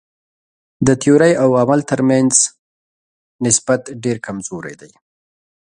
د تیورۍ او عمل تر منځ نسبت ډېر کمزوری دی.